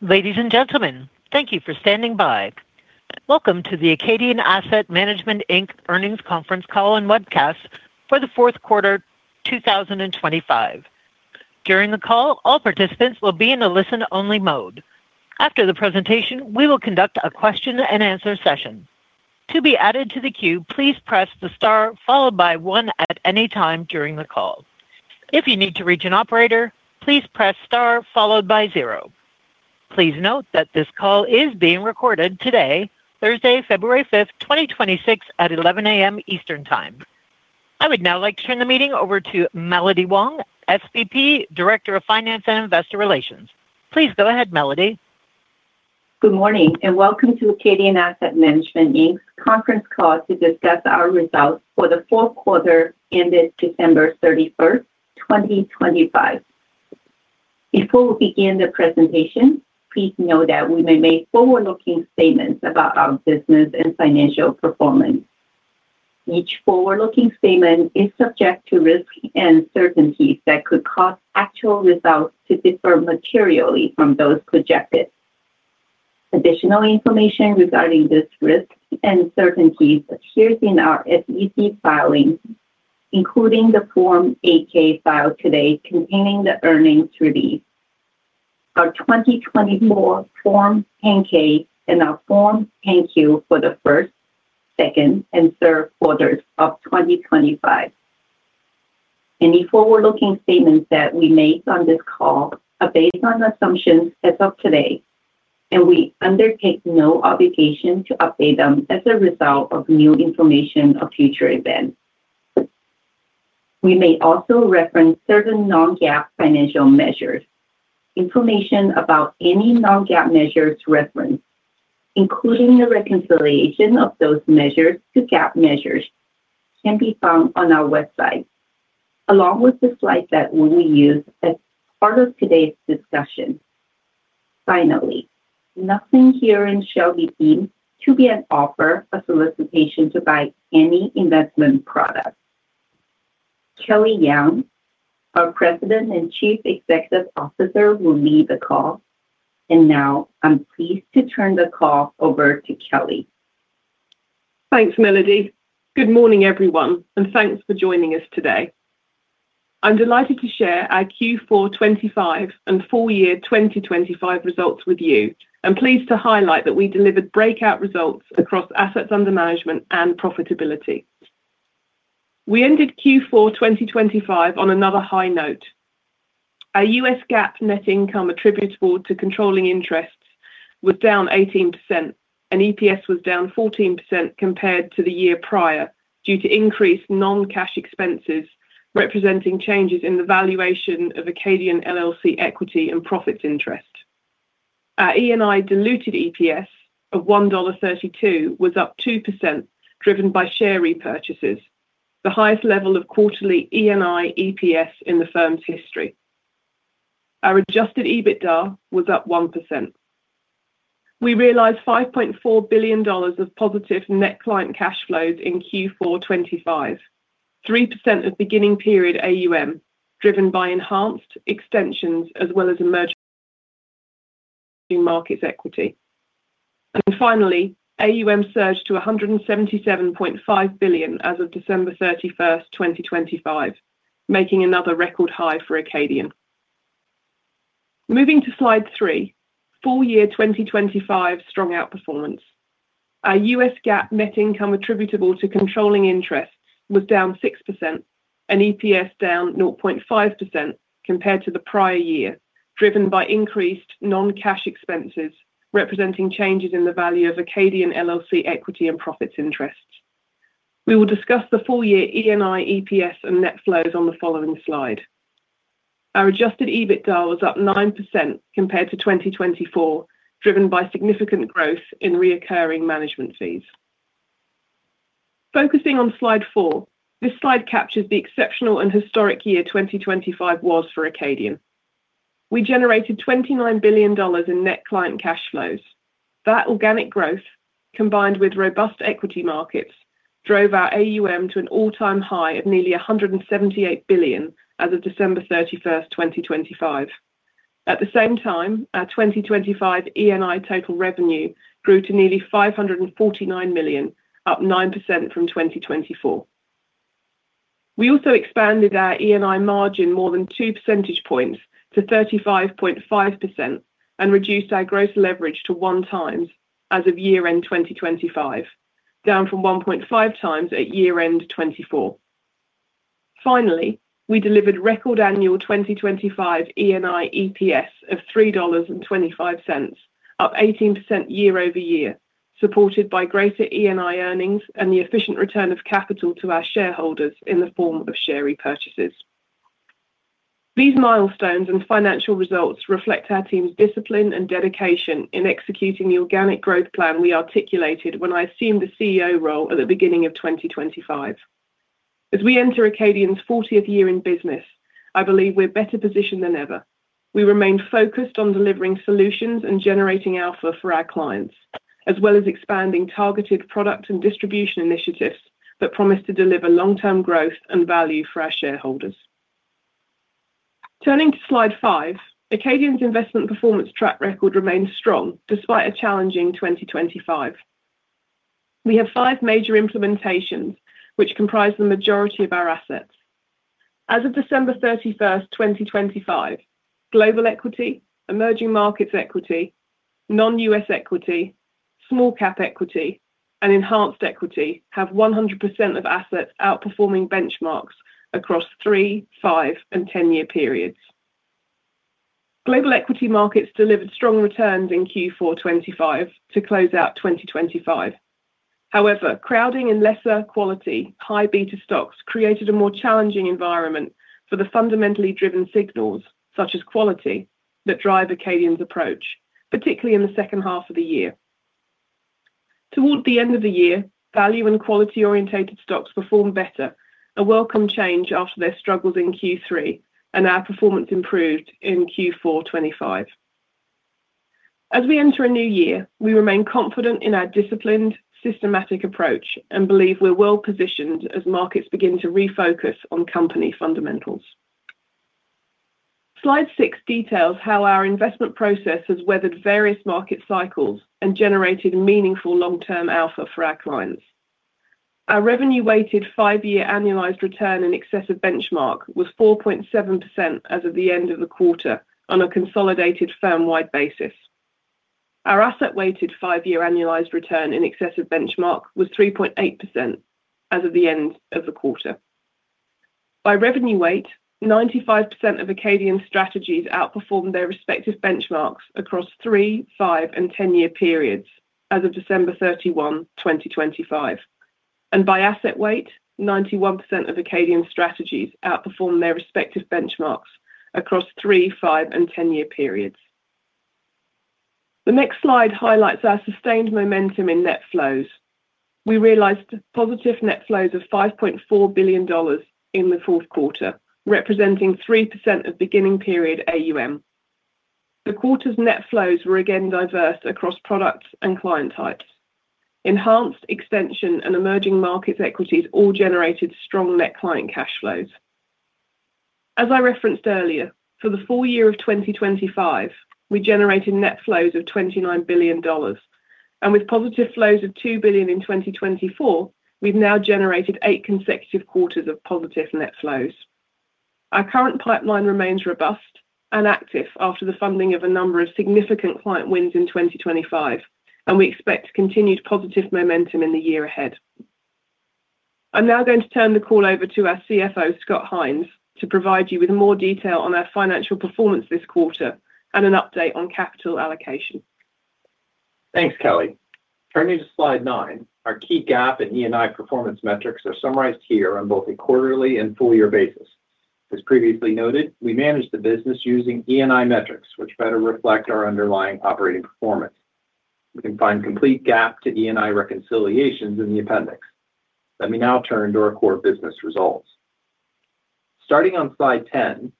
Ladies and gentlemen, thank you for standing by. Welcome to the Acadian Asset Management, Inc. Earnings Conference Call and Webcast for the fourth quarter, 2025. During the call, all participants will be in a listen-only mode. After the presentation, we will conduct a question and answer session. To be added to the queue, please press the Star followed by one at any time during the call. If you need to reach an operator, please press Star followed by zero. Please note that this call is being recorded today, Thursday, February 5, 2026, at 11 A.M. Eastern Time. I would now like to turn the meeting over to Melody Huang, SVP, Director of Finance and Investor Relations. Please go ahead, Melody. Good morning, and welcome to Acadian Asset Management, Inc.'s conference call to discuss our results for the fourth quarter ended December 31, 2025. Before we begin the presentation, please know that we may make forward-looking statements about our business and financial performance. Each forward-looking statement is subject to risks and uncertainties that could cause actual results to differ materially from those projected. Additional information regarding these risks and uncertainties appears in our SEC filings, including the Form 8-K filed today containing the earnings release. Our 2024 Form 10-K and our Form 10-Q for the first, second, and third quarters of 2025. Any forward-looking statements that we make on this call are based on assumptions as of today, and we undertake no obligation to update them as a result of new information or future events. We may also reference certain non-GAAP financial measures. Information about any non-GAAP measures referenced, including the reconciliation of those measures to GAAP measures, can be found on our website, along with the slides that we will use as part of today's discussion. Finally, nothing herein shall be deemed to be an offer or solicitation to buy any investment product. Kelly Young, our President and Chief Executive Officer, will lead the call. And now I'm pleased to turn the call over to Kelly. Thanks, Melody. Good morning, everyone, and thanks for joining us today. I'm delighted to share our Q4 2025 and full year 2025 results with you and pleased to highlight that we delivered breakout results across assets under management and profitability. We ended Q4 2025 on another high note. Our U.S. GAAP net income attributable to controlling interests was down 18%, and EPS was down 14% compared to the year prior due to increased non-cash expenses, representing changes in the valuation of Acadian LLC equity and profits interest. Our ENI diluted EPS of $1.32 was up 2%, driven by share repurchases, the highest level of quarterly ENI EPS in the firm's history. Our Adjusted EBITDA was up 1%. We realized $5.4 billion of positive net client cash flows in Q4 2025, 3% of beginning period AUM, driven by enhanced and extension as well as emerging markets equity. Finally, AUM surged to $177.5 billion as of December 31, 2025, making another record high for Acadian. Moving to slide three. Full year 2025, strong outperformance. Our U.S. GAAP net income attributable to controlling interests was down 6% and EPS down 0.5% compared to the prior year, driven by increased non-cash expenses, representing changes in the value of Acadian LLC equity and profits interests. We will discuss the full-year ENI, EPS, and net flows on the following slide. Our adjusted EBITDA was up 9% compared to 2024, driven by significant growth in recurring management fees. Focusing on slide four. This slide captures the exceptional and historic year 2025 was for Acadian. We generated $29 billion in net client cash flows. That organic growth, combined with robust equity markets, drove our AUM to an all-time high of nearly $178 billion as of December 31, 2025. At the same time, our 2025 ENI total revenue grew to nearly $549 million, up 9% from 2024. We also expanded our ENI margin more than two percentage points to 35.5% and reduced our gross leverage to 1x as of year-end 2025, down from 1.5x at year-end 2024. Finally, we delivered record annual 2025 ENI EPS of $3.25, up 18% year-over-year, supported by greater ENI earnings and the efficient return of capital to our shareholders in the form of share repurchases. These milestones and financial results reflect our team's discipline and dedication in executing the organic growth plan we articulated when I assumed the CEO role at the beginning of 2025. As we enter Acadian's 40th year in business, I believe we're better positioned than ever. We remain focused on delivering solutions and generating alpha for our clients, as well as expanding targeted product and distribution initiatives that promise to deliver long-term growth and value for our shareholders.... Turning to slide five, Acadian's investment performance track record remains strong despite a challenging 2025. We have 5 major implementations, which comprise the majority of our assets. As of December 31, 2025, global equity, emerging markets equity, non-U.S. equity, small-cap equity, and enhanced equity have 100% of assets outperforming benchmarks across 3-, 5-, and 10-year periods. Global equity markets delivered strong returns in Q4 2025 to close out 2025. However, crowding in lesser quality, high beta stocks created a more challenging environment for the fundamentally driven signals, such as quality, that drive Acadian's approach, particularly in the second half of the year. Toward the end of the year, value and quality-oriented stocks performed better, a welcome change after their struggles in Q3, and our performance improved in Q4 2025. As we enter a new year, we remain confident in our disciplined, systematic approach and believe we're well positioned as markets begin to refocus on company fundamentals. Slide six details how our investment process has weathered various market cycles and generated meaningful long-term alpha for our clients. Our revenue-weighted 5-year annualized return in excess of benchmark was 4.7% as of the end of the quarter on a consolidated firm-wide basis. Our asset-weighted 5-year annualized return in excess of benchmark was 3.8% as of the end of the quarter. By revenue weight, 95% of Acadian strategies outperformed their respective benchmarks across 3-, 5-, and 10-year periods as of December 31, 2025. By asset weight, 91% of Acadian strategies outperformed their respective benchmarks across 3-, 5-, and 10-year periods. The next slide highlights our sustained momentum in net flows. We realized positive net flows of $5.4 billion in the fourth quarter, representing 3% of beginning period AUM. The quarter's net flows were again diverse across products and client types. Enhanced extension and emerging markets equities all generated strong net client cash flows. As I referenced earlier, for the full year of 2025, we generated net flows of $29 billion, and with positive flows of $2 billion in 2024, we've now generated eight consecutive quarters of positive net flows. Our current pipeline remains robust and active after the funding of a number of significant client wins in 2025, and we expect continued positive momentum in the year ahead. I'm now going to turn the call over to our CFO, Scott Hynes, to provide you with more detail on our financial performance this quarter and an update on capital allocation. Thanks, Kelly. Turning to slide nine, our key GAAP and ENI performance metrics are summarized here on both a quarterly and full year basis. As previously noted, we managed the business using ENI metrics, which better reflect our underlying operating performance. You can find complete GAAP to ENI reconciliations in the appendix. Let me now turn to our core business results. Starting on slide 10,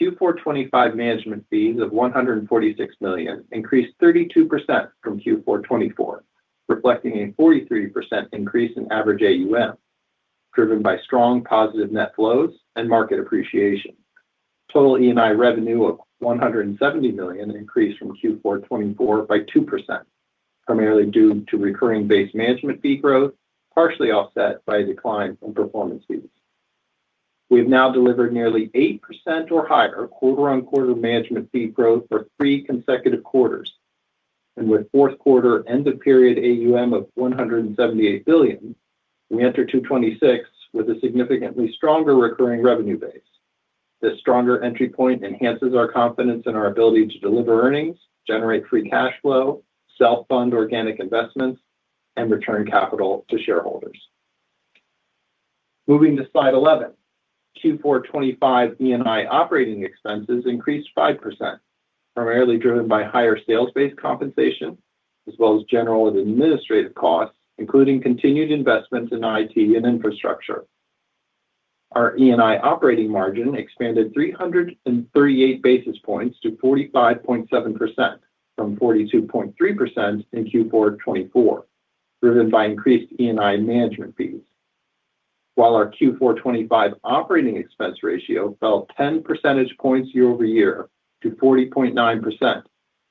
Q4 2025 management fees of $146 million increased 32% from Q4 2024, reflecting a 43% increase in average AUM, driven by strong positive net flows and market appreciation. Total ENI revenue of $170 million increased from Q4 2024 by 2%, primarily due to recurring base management fee growth, partially offset by a decline in performance fees. We've now delivered nearly 8% or higher quarter-on-quarter management fee growth for 3 consecutive quarters, and with fourth quarter end-of-period AUM of $178 billion, we enter 2026 with a significantly stronger recurring revenue base. This stronger entry point enhances our confidence in our ability to deliver earnings, generate free cash flow, self-fund organic investments, and return capital to shareholders. Moving to slide 11, Q4 2025 ENI operating expenses increased 5%, primarily driven by higher sales-based compensation, as well as general and administrative costs, including continued investments in IT and infrastructure. Our ENI operating margin expanded 338 basis points to 45.7% from 42.3% in Q4 2024, driven by increased ENI management fees. While our Q4 2025 operating expense ratio fell 10 percentage points year-over-year to 40.9%,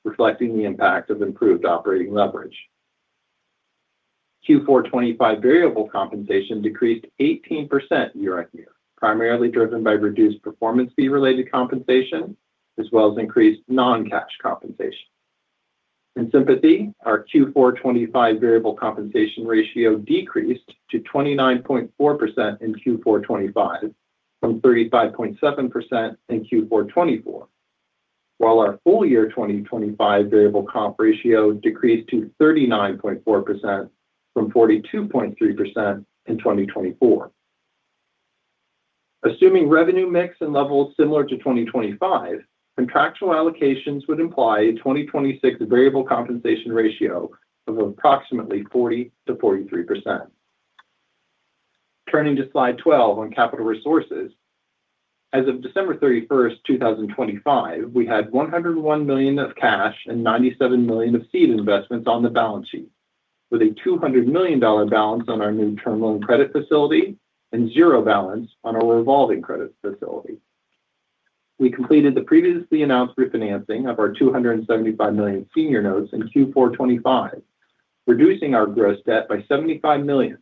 reflecting the impact of improved operating leverage. Q4 2025 variable compensation decreased 18% year-over-year, primarily driven by reduced performance fee-related compensation, as well as increased non-cash compensation. In sympathy, our Q4 2025 variable compensation ratio decreased to 29.4% in Q4 2025, from 35.7% in Q4 2024. While our full year 2025 variable comp ratio decreased to 39.4% from 42.3% in 2024. Assuming revenue mix and levels similar to 2025, contractual allocations would imply a 2026 variable compensation ratio of approximately 40%-43%. Turning to slide 12 on capital resources. As of December 31, 2025, we had $101 million of cash and $97 million of seed investments on the balance sheet, with a $200 million balance on our new term loan credit facility and 0 balance on our revolving credit facility. We completed the previously announced refinancing of our $275 million senior notes in Q4 2025, reducing our gross debt by $75 million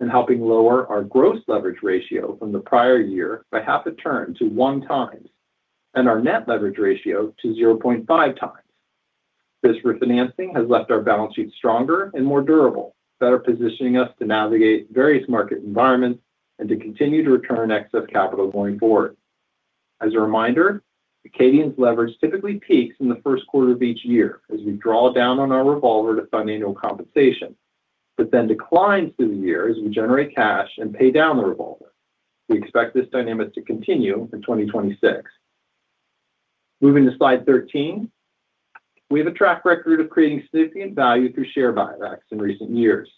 and helping lower our gross leverage ratio from the prior year by half a turn to 1x, and our net leverage ratio to 0.5x. This refinancing has left our balance sheet stronger and more durable, better positioning us to navigate various market environments and to continue to return excess capital going forward. As a reminder, Acadian's leverage typically peaks in the first quarter of each year as we draw down on our revolver to fund annual compensation, but then declines through the year as we generate cash and pay down the revolver. We expect this dynamic to continue in 2026. Moving to slide 13. We have a track record of creating significant value through share buybacks in recent years.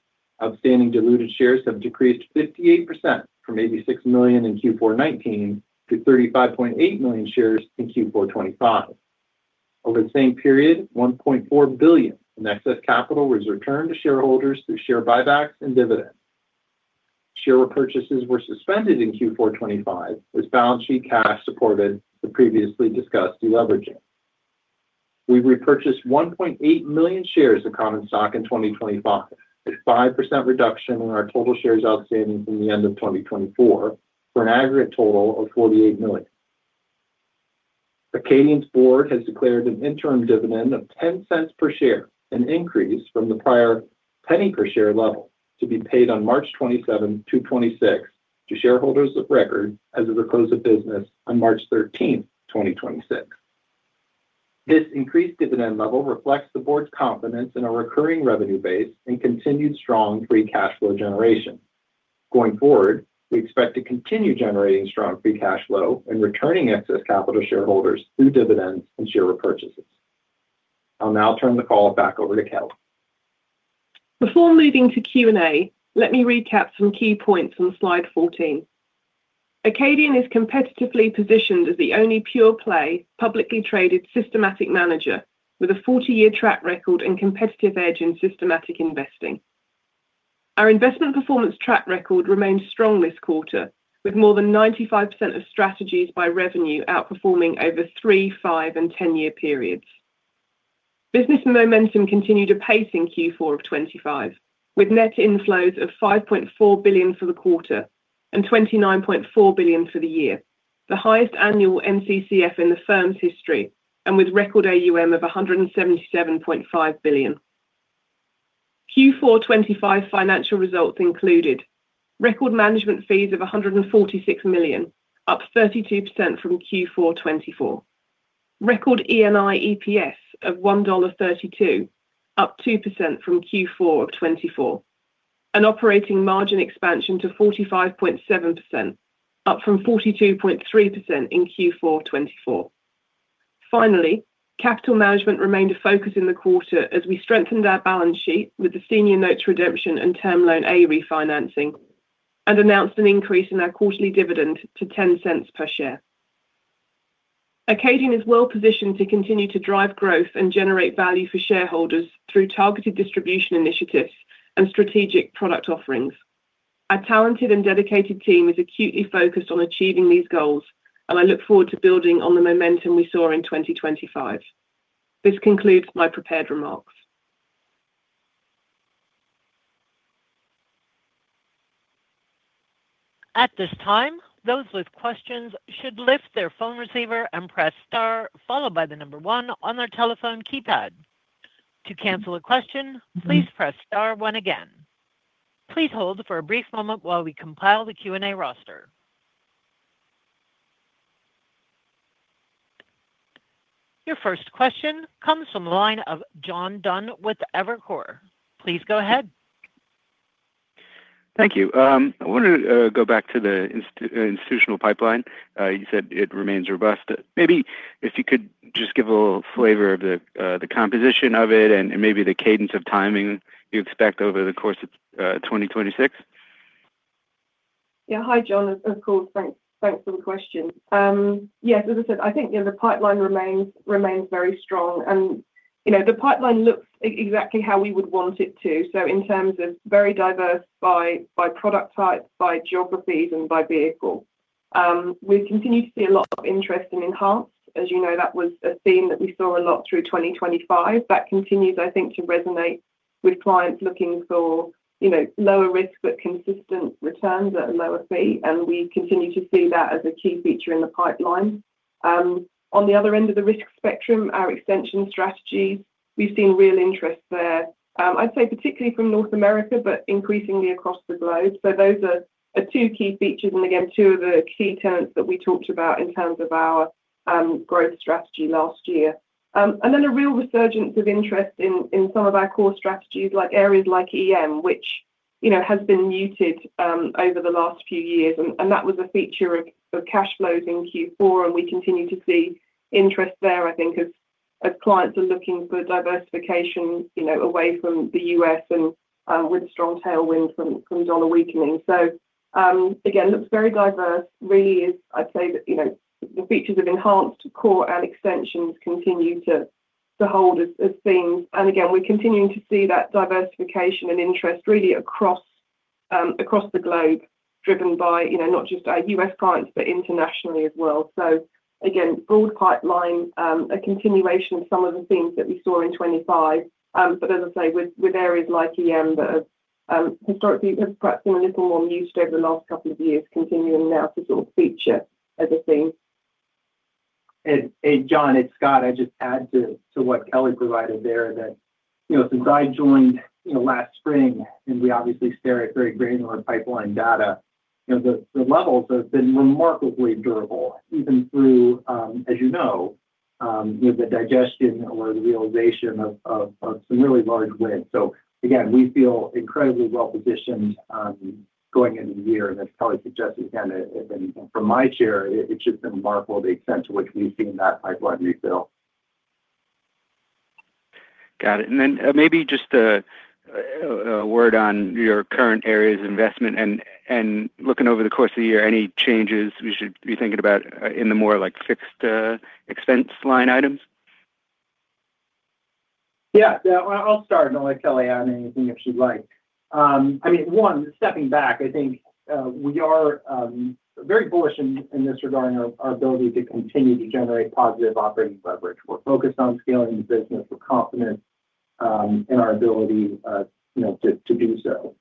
Outstanding diluted shares have decreased 58% from 86 million shares in Q4 2019 to 35.8 million shares in Q4 2025. Over the same period, $1.4 billion in excess capital was returned to shareholders through share buybacks and dividends. Share repurchases were suspended in Q4 2025 as balance sheet cash supported the previously discussed deleveraging. We repurchased 1.8 million shares of common stock in 2025, a 5% reduction in our total shares outstanding from the end of 2024, for an aggregate total of 48 million. Acadian's board has declared an interim dividend of $0.10 per share, an increase from the prior $0.01 per share level, to be paid on March 27, 2026, to shareholders of record as of the close of business on March 13, 2026. This increased dividend level reflects the board's confidence in our recurring revenue base and continued strong free cash flow generation. Going forward, we expect to continue generating strong free cash flow and returning excess capital to shareholders through dividends and share repurchases. I'll now turn the call back over to Kelly. Before moving to Q&A, let me recap some key points on slide 14. Acadian is competitively positioned as the only pure-play, publicly traded, systematic manager with a 40-year track record and competitive edge in systematic investing. Our investment performance track record remained strong this quarter, with more than 95% of strategies by revenue outperforming over 3-, 5-, and 10-year periods. Business momentum continued apace in Q4 of 2025, with net inflows of $5.4 billion for the quarter and $29.4 billion for the year, the highest annual NCCF in the firm's history and with record AUM of $177.5 billion. Q4 2025 financial results included: record management fees of $146 million, up 32% from Q4 2024. Record ENI EPS of $1.32, up 2% from Q4 of 2024. An operating margin expansion to 45.7%, up from 42.3% in Q4 2024. Finally, capital management remained a focus in the quarter as we strengthened our balance sheet with the senior notes redemption and Term Loan A refinancing, and announced an increase in our quarterly dividend to $0.10 per share. Acadian is well positioned to continue to drive growth and generate value for shareholders through targeted distribution initiatives and strategic product offerings. Our talented and dedicated team is acutely focused on achieving these goals, and I look forward to building on the momentum we saw in 2025. This concludes my prepared remarks. At this time, those with questions should lift their phone receiver and press star, followed by the number one on their telephone keypad. To cancel a question, please press star one again. Please hold for a brief moment while we compile the Q&A roster. Your first question comes from the line of John Dunn with Evercore. Please go ahead. Thank you. I wanted to go back to the institutional pipeline. You said it remains robust. Maybe if you could just give a little flavor of the composition of it and maybe the cadence of timing you expect over the course of 2026. Yeah. Hi, John. Of course. Thanks for the question. Yes, as I said, I think, you know, the pipeline remains very strong and, you know, the pipeline looks exactly how we would want it to. So in terms of very diverse by product type, by geographies, and by vehicle. We continue to see a lot of interest in enhanced. As you know, that was a theme that we saw a lot through 2025. That continues, I think, to resonate with clients looking for, you know, lower risk, but consistent returns at a lower fee, and we continue to see that as a key feature in the pipeline. On the other end of the risk spectrum, our extension strategies, we've seen real interest there. I'd say, particularly from North America, but increasingly across the globe. So those are two key features and again, two of the key tenets that we talked about in terms of our growth strategy last year. And then a real resurgence of interest in some of our core strategies, like areas like EM, which, you know, has been muted over the last few years. And that was a feature of cash flows in Q4, and we continue to see interest there, I think, as clients are looking for diversification, you know, away from the U.S. and with a strong tailwind from dollar weakening. So, again, looks very diverse. Really is, I'd say that, you know. The features of enhanced core and extensions continue to hold as themes. And again, we're continuing to see that diversification and interest really across, across the globe, driven by, you know, not just our U.S. clients, but internationally as well. So again, broad pipeline, a continuation of some of the themes that we saw in 25. But as I say, with, with areas like EM that have historically have perhaps been a little more muted over the last couple of years, continuing now to sort of feature as a theme. John, it's Scott. I just add to what Kelly provided there, that, you know, since I joined, you know, last spring, and we obviously stare at very granular pipeline data, you know, the levels have been remarkably durable, even through, as you know, you know, the digestion or the realization of some really large wins. So again, we feel incredibly well positioned, going into the year. And as Kelly suggested again, if anything, from my chair, it's just remarkable the extent to which we've seen that pipeline refill. Got it. And then, maybe just a word on your current areas of investment and looking over the course of the year, any changes we should be thinking about in the more, like, fixed expense line items? Yeah. Yeah. I'll start, and I'll let Kelly add anything if she'd like. I mean, one, stepping back, I think we are very bullish in this regarding our ability to continue to generate positive operating leverage. We're focused on scaling the business. We're confident in our ability, you know, to do so.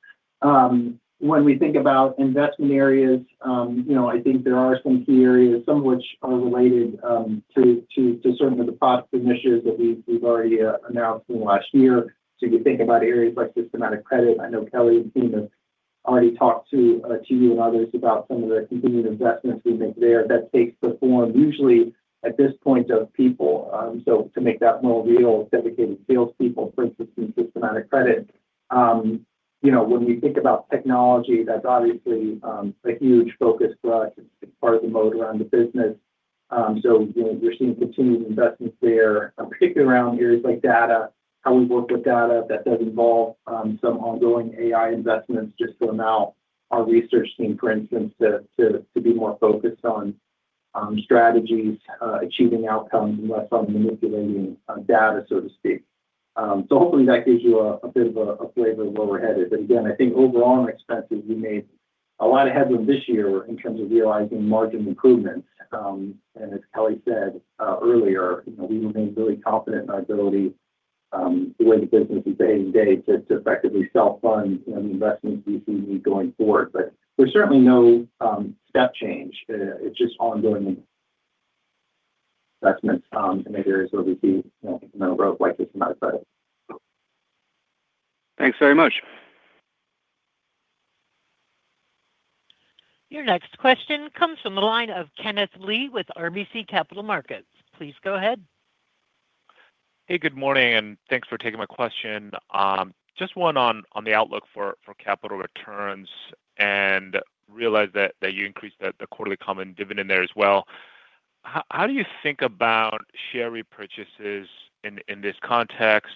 When we think about investment areas, you know, I think there are some key areas, some of which are related to certain of the product initiatives that we've already announced in last year. So you think about areas like systematic credit. I know Kelly and the team have already talked to you and others about some of the continued investments we make there. That takes the form, usually, at this point, of people. So to make that more real, dedicated salespeople, for instance, in systematic credit. You know, when we think about technology, that's obviously a huge focus for us. It's part of the mode around the business. So, you know, we're seeing continued investments there, particularly around areas like data, how we work with data. That does involve some ongoing AI investments just to allow our research team, for instance, to be more focused on strategies, achieving outcomes, and less on manipulating data, so to speak. So hopefully that gives you a bit of a flavor of where we're headed. But again, I think overall on expenses, we made a lot of headway this year in terms of realizing margin improvements. And as Kelly said earlier, you know, we remain really confident in our ability, the way the business is day-to-day, to effectively self-fund, you know, investments we see going forward. But there's certainly no step change. It's just ongoing investments in areas where we see, you know, growth like systematic credit. Thanks very much. Your next question comes from the line of Kenneth Lee with RBC Capital Markets. Please go ahead. Hey, good morning, and thanks for taking my question. Just one on the outlook for capital returns and realize that you increased the quarterly common dividend there as well. How do you think about share repurchases in this context?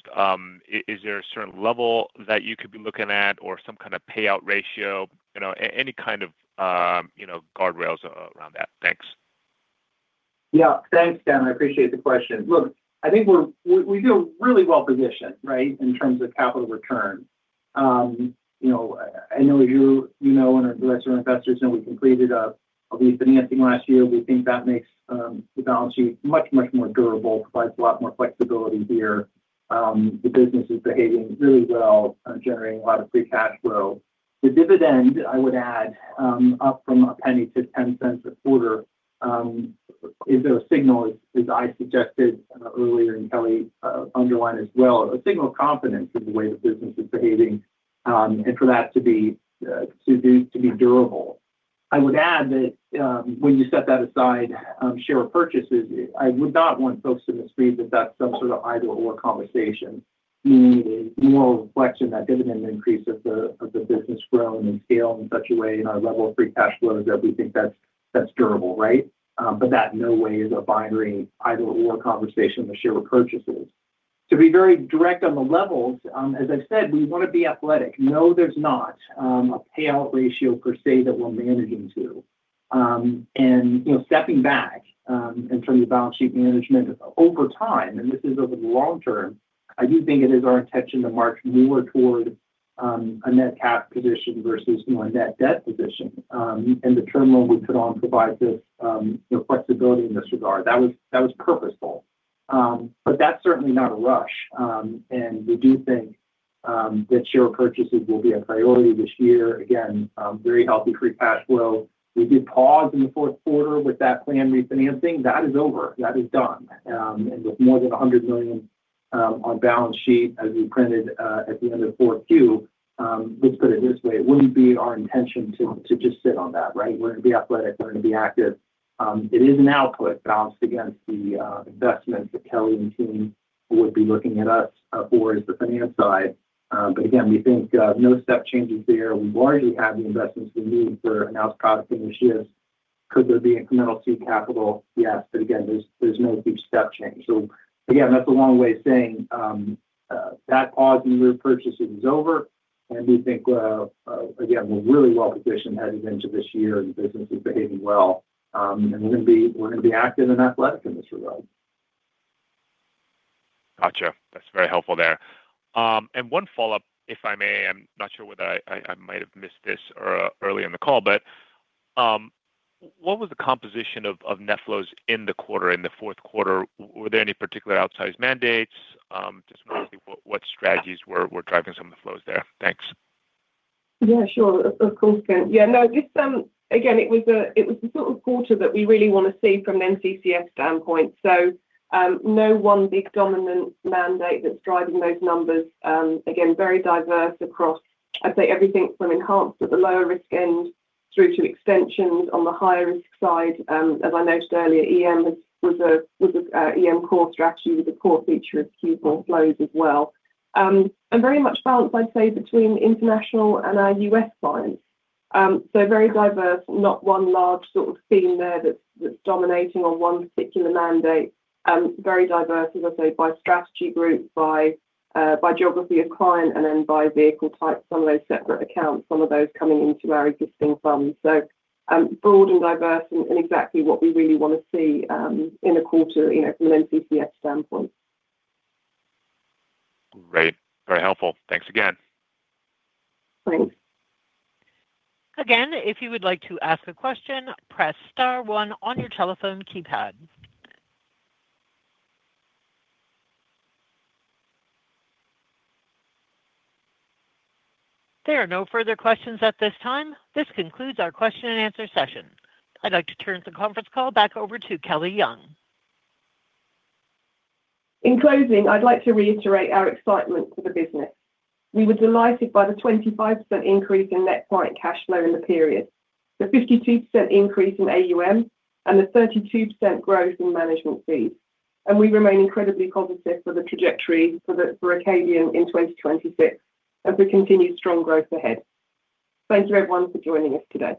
Is there a certain level that you could be looking at or some kind of payout ratio? You know, any kind of, you know, guardrails around that. Thanks. Yeah. Thanks, Ken. I appreciate the question. Look, I think we feel really well positioned, right, in terms of capital return. You know, I know you know, and the rest of our investors know we completed a refinancing last year. We think that makes the balance sheet much, much more durable, provides a lot more flexibility here. The business is behaving really well, generating a lot of free cash flow. The dividend, I would add, up from $0.01 to $0.10 a quarter, is a signal, as I suggested earlier, and Kelly underlined as well, a signal of confidence in the way the business is behaving, and for that to be durable. I would add that, when you set that aside, share purchases, I would not want folks to perceive that that's some sort of either/or conversation. To me, it's more a reflection that dividend increase of the business growing and scale in such a way, and our level of free cash flow, is that we think that's durable, right? But that in no way is a binary either/or conversation with share purchases. To be very direct on the levels, as I've said, we want to be athletic. No, there's not a payout ratio per se, that we're managing to. And, you know, stepping back, in terms of balance sheet management, over time, and this is over the long term, I do think it is our intention to march nearer toward a net cash position versus, you know, a net debt position. And the term loan we put on provides this, you know, flexibility in this regard. That was, that was purposeful. But that's certainly not a rush, and we do think that share purchases will be a priority this year. Again, very healthy free cash flow. We did pause in the fourth quarter with that planned refinancing. That is over. That is done. And with more than $100 million on balance sheet, as we printed, at the end of Q4, let's put it this way, it wouldn't be our intention to just sit on that, right? We're going to be athletic. We're going to be active. It is an output balanced against the investments that Kelly and team would be looking at us for as the finance side. But again, we think no step changes there. We've already had the investments we need for announced product initiatives. Could there be incremental seed capital? Yes. But again, there's no big step change. So again, that's a long way of saying that pause in repurchasing is over.... And we think, again, we're really well positioned heading into this year, and the business is behaving well. We're gonna be, we're gonna be active and athletic in this regard. Gotcha. That's very helpful there. And one follow-up, if I may. I'm not sure whether I might have missed this early in the call, but what was the composition of net flows in the quarter, in the fourth quarter? Were there any particular outsized mandates? Just mostly what strategies were driving some of the flows there? Thanks. Yeah, sure. Of course, Ken. Yeah, no, this again, it was the sort of quarter that we really want to see from an NCCF standpoint. So, no one big dominant mandate that's driving those numbers. Again, very diverse across, I'd say, everything from enhanced at the lower risk end through to extensions on the higher risk side. As I noted earlier, EM was a core strategy with a core feature of Q4 flows as well. And very much balanced, I'd say, between international and our U.S. clients. So very diverse. Not one large sort of theme there that's dominating or one particular mandate. Very diverse, as I say, by strategy group, by geography of client, and then by vehicle type. Some of those separate accounts, some of those coming into our existing funds. So, broad and diverse and exactly what we really want to see, in a quarter, you know, from an NCCF standpoint. Great. Very helpful. Thanks again. Thanks. Again, if you would like to ask a question, press star one on your telephone keypad. There are no further questions at this time. This concludes our question and answer session. I'd like to turn the conference call back over to Kelly Young. In closing, I'd like to reiterate our excitement for the business. We were delighted by the 25% increase in net client cash flow in the period, the 52% increase in AUM, and the 32% growth in management fees. We remain incredibly confident for the trajectory for Acadian in 2026, as we continue strong growth ahead. Thank you, everyone, for joining us today.